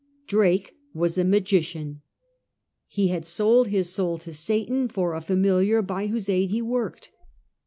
Drake was a magician. He had sold his soul to Sataii for a familiar by whose aid he worked.